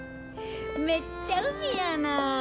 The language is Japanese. めっちゃ海やな！